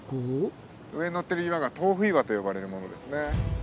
上にのってる岩がトーフ岩と呼ばれるものですね。